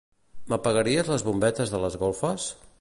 M'apagaries les bombetes de les golfes?